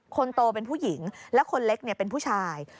คนโตเป็นผู้หญิงและคนเล็กเป็นผู้ชาย